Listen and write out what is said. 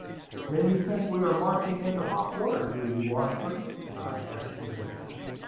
"Then you think we are marching into hot water, do you, Washburn?" I asked with interest.